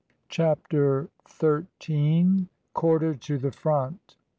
CHAPTER THIRTEEN. CORDER TO THE FRONT.